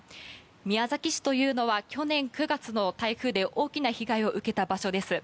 宮崎市というのは以前、台風で大きな被害を受けた場所です。